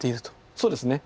そうですね。